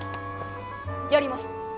やります！